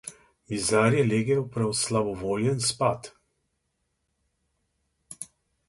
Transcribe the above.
Mizar je legel prav slabovoljen spat.